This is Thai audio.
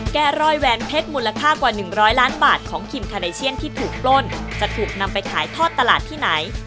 แกร่อยแวนเพชรมูลค่ากว่า๑๐๐ล้านบาทของคิมคาไนเชียนที่ถูกปล้นจะถูกนำไปขายทอดตลาดที่ไหน